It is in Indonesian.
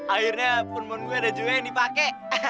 akhirnya penemuan gue ada juga yang dipake